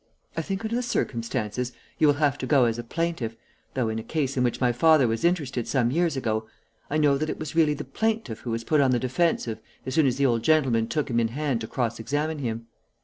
I think under the circumstances you will have to go as a plaintiff, though in a case in which my father was interested some years ago, I know that it was really the plaintiff who was put on the defensive as soon as the old gentleman took him in hand to cross examine him.